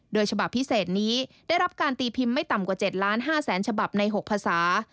โดยฉบับพิเศษนี้ได้รับการตีพิมพ์ไม่ต่ำกว่า๗๕๐๐๐ฉบับใน๖ภาษา